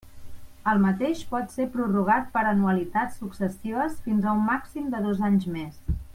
El mateix pot ser prorrogat per anualitats successives fins a un màxim de dos anys més.